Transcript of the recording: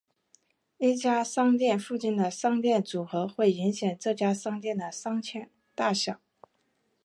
一家商店附近的商店组合会影响这家商店的商圈大小。